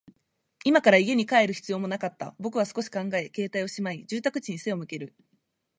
今から家に帰る必要もなかった。僕は少し考え、携帯をしまい、住宅地に背を向ける。